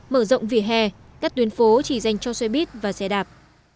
mở rộng vỉa hè các tuyến phố chỉ dành cho xoay bít và xe đạp